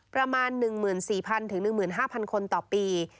ประมาณ๑๔๐๐๑๕๐๐คนต่อปี